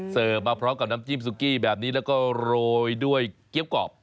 มาพร้อมกับน้ำจิ้มซุกี้แบบนี้แล้วก็โรยด้วยเกี้ยวกรอบ